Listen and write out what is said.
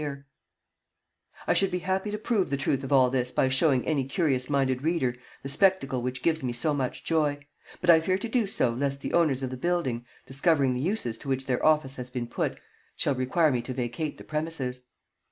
[Illustration: "PINNED HIM TO THE WALL LIKE A BUTTERFLY ON A CORK"] I should be happy to prove the truth of all this by showing any curious minded reader the spectacle which gives me so much joy, but I fear to do so lest the owners of the building, discovering the uses to which their office has been put, shall require me to vacate the premises.